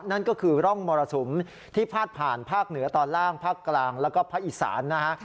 นั่นก็คือร่องมรสุมที่พาดผ่านภาคเหนือตอนล่างภาคกลางแล้วก็ภาคอีสานนะฮะ